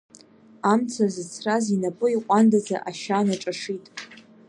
Амца зыцраз инапы иҟәандаӡа ашьа наҿашит.